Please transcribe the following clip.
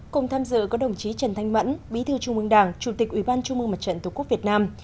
cùng tham dự có đồng chí trần thanh mẫn bí thư trung ương đảng chủ tịch ủy ban trung mương mặt trận tổ quốc việt nam